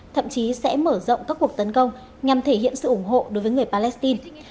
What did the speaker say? thậm chí sẽ mở rộng các cuộc tấn công nhằm thể hiện sự ủng hộ đối với người palestine